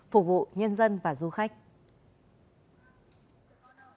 phục vụ nhân dân và du khách